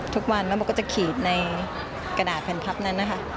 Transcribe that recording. ทุกวันแล้วมันก็จะขีดในกระดาษแผ่นพับนั้นนะคะ